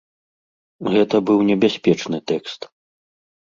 Гэта быў небяспечны тэкст.